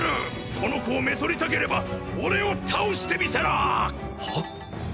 この子をめとりたければ俺を倒してみせろ！はっ？